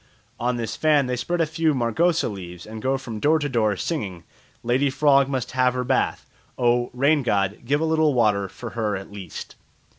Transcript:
On this fan they spread a few margosa leaves and go from door to door singing, "Lady frog must have her bath. Oh! rain god, give a little water for her at least."